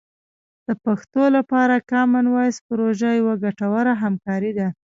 د پښتو لپاره کامن وایس پروژه یوه ګټوره همکاري ده.